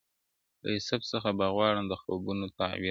له یوسف څخه به غواړم د خوبونو تعبیرونه-